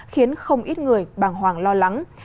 khiến không ít người bằng hoàng lo lắng